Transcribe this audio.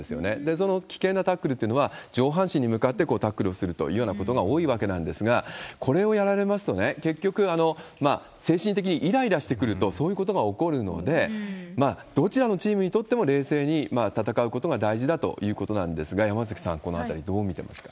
その危険なタックルっていうのは、上半身に向かってタックルをするというようなことが多いわけなんですが、これをやられますとね、結局、精神的にいらいらしてくると、そういうことが起こるので、どちらのチームにとっても冷静に戦うことが大事だということなんですが、山崎さん、このあたりどう見てますか？